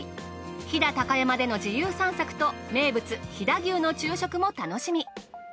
飛騨高山での自由散策と名物飛騨牛の昼食も楽しみ。